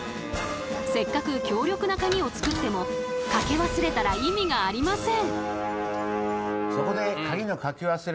せっかく強力なカギを作ってもかけ忘れたら意味がありません。